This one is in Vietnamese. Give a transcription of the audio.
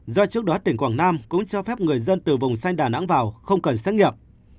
do trước đó tỉnh quảng nam cũng cho phép người dân từ vùng xanh đà nẵng vào không cần xác nghiệm